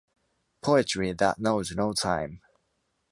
Poetry that knows no time...